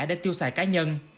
để tiêu xài cá nhân